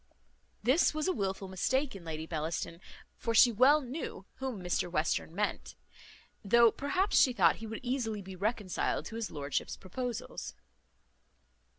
This was a wilful mistake in Lady Bellaston, for she well knew whom Mr Western meant; though perhaps she thought he would easily be reconciled to his lordship's proposals.